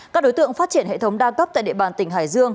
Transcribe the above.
các đối tượng phát triển hệ thống đa cấp tại địa bàn tỉnh hải dương